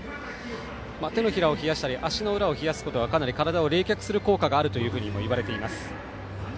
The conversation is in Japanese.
手のひらを冷やしたり足の裏を冷やすことはかなり体を冷却する効果があるともいわれています。